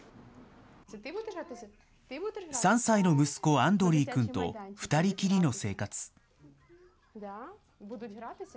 ３歳の息子、アンドリーくんと２人きりの生活。